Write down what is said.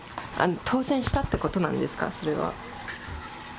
当選したってことなんですか、それは。